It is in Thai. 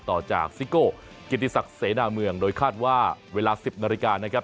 ต่อจากซิโก้กิติศักดิ์เสนาเมืองโดยคาดว่าเวลา๑๐นาฬิกานะครับ